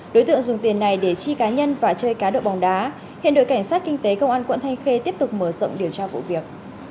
đối tượng dùng tiền này để chi cá nhân và chơi cá độ bóng đá hiện đội cảnh sát kinh tế công an quận thanh khê tiếp tục mở rộng điều tra vụ việc